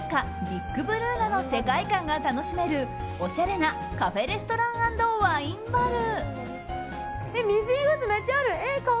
ディック・ブルーナの世界観が楽しめるおしゃれなカフェレストラン＆ワインバル。